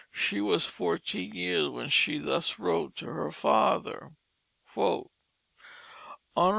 She was fourteen years when she thus wrote to her father: "HON.